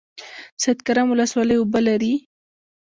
سید کرم ولسوالۍ اوبه لري؟